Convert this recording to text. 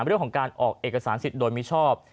เรื่องของการออกเอกสารสิทธิ์โดยมิชอบ